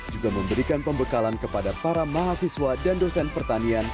juga memberikan pembekalan kepada para mahasiswa dan dosen pertanian